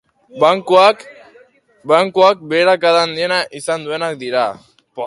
Bankuak beherakada handiena izan dutenak dira.